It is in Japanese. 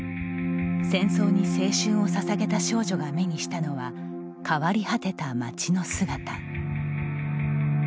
戦争に青春をささげた少女が目にしたのは変わり果てた街の姿。